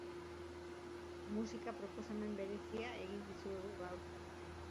Musika proposamen berezia egin dizuegu gaur.